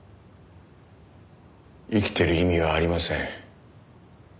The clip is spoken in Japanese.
生きてる意味はありません。